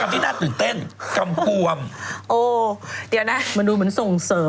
มันดูเหมือนส่งเสริมอะไรมาเนี่ยประมวงเสียว